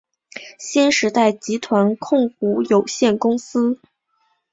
新时代集团控股有限公司。